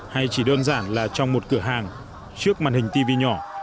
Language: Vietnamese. hay chỉ đơn giản là trong một cửa hàng trước màn hình tv nhỏ